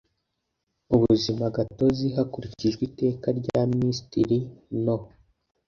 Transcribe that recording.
ubuzima gatozi hakurikijwe Iteka rya Minisitiri No